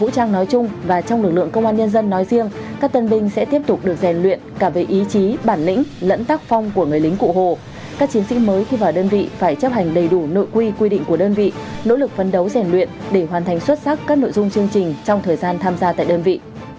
các chiến sĩ mới khi vào đơn vị phải chấp hành đầy đủ nội quy quy định của đơn vị nỗ lực phấn đấu rèn luyện để hoàn thành xuất sắc các nội dung chương trình trong thời gian tham gia tại đơn vị